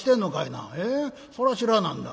そら知らなんだ。